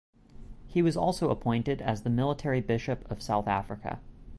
He was also appointed as the Military Bishop of South Africa.